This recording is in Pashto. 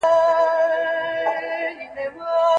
آیا امام بخاري دا روايت را نقل کړی دی؟